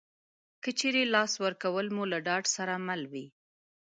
که چېرې لاس ورکول مو له ډاډ سره مل وي